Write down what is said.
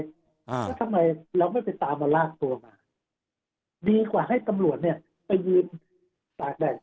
แล้วทำไมเราไม่ไปตามมาลากตัวมาดีกว่าให้ตำรวจเนี่ยไปยืนตากแดด